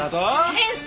先生！